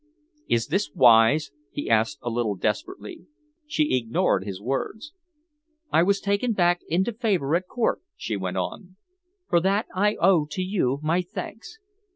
"Is this wise?" he asked a little desperately. She ignored his words. "I was taken back into favour at Court," she went on. "For that I owe to you my thanks.